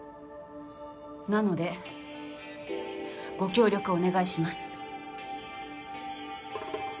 なのでご協力お願いします。